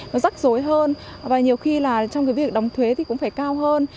nó rắc rối hơn và nhiều khi là trong cái việc đóng thuế thì cũng phải cao hơn